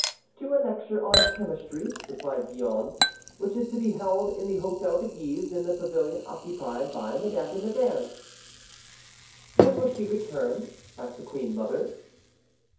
"To a lecture on chemistry," replied Gillonne, "which is to be held in the Hôtel de Guise, in the pavilion occupied by Madame de Nevers." "When will she return?" asked the queen mother.